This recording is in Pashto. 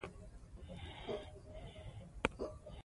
الزایمر لپاره هم هیله شته.